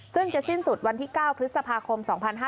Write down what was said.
ซึ่งจะสิ้นสุดวันที่๙พฤษภาคม๒๕๕๙